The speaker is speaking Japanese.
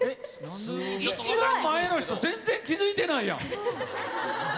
一番前の人、全然気付いてないやん。